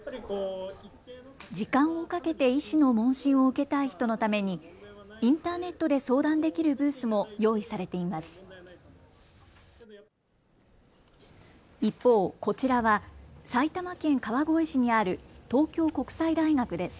時間をかけて医師の問診を受けたい人のためにインターネットで相談できるブースも用意されています。